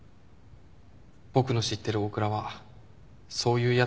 僕の知ってる大倉はそういう奴でしたから。